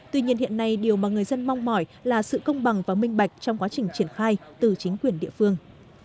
tuy nhiên hiện nay điều mà người dân mong mỏi là sự công bằng và minh bạch trong quá trình triển khai từ chính quyền địa phương